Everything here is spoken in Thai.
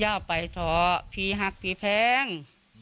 อย่าเอาไปคอพี่หักคริจแฟ้ง